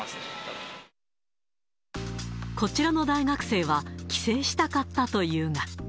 こちらの大学生は、帰省したかったというが。